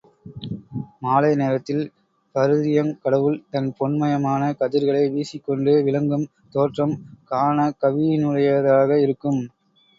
மாலை நேரத்தில் பரிதியங் கடவுள் தன் பொன் மயமான கதிர்களை வீசிக் கொண்டு விளங்கும் தோற்றம் காணக்கவினுடையதாக இருக்கும்.